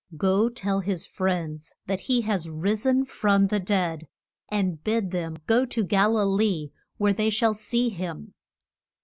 Go tell his friends that he has ris en from the dead, and bid them go to Gal i lee where they shall see him.